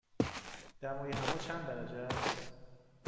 دمای هوا چند درجه است؟